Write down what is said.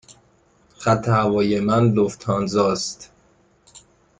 خط هوایی من لوفتانزا است.